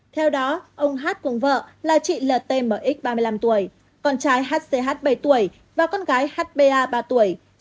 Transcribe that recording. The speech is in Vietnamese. theo đó ông hát cùng vợ là chị ltmx ba mươi năm tuổi con trai hch bảy tuổi và con gái hpa ba tuổi